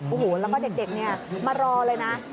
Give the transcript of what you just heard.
โอ้โหแล้วก็เด็กมารอเลยนะ